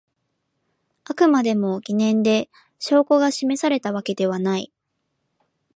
あくまでも疑念で証拠が示されたわけではない